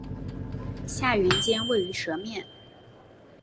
下原尖位于舌面。